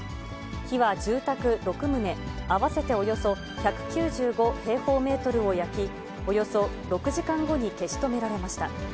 火は住宅６棟、合わせておよそ１９５平方メートルを焼き、およそ６時間後に消し止められました。